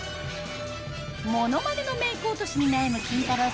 モノマネのメイク落としに悩むキンタロー。